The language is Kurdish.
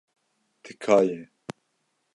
Tika ye.